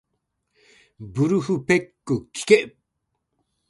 ブルフペックきけ